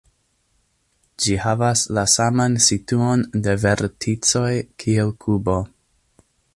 Ĝi havas la saman situon de verticoj kiel kubo.